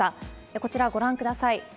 こちらご覧ください。